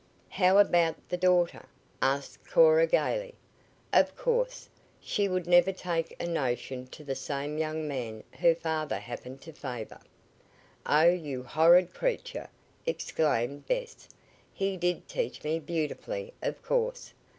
"How about the daughter?" asked Cora gaily. "Of course, she would never take a notion to the same young man her father happened to favor." "Oh, you horrid creature!" exclaimed Bess. "He did teach me beautifully, of course.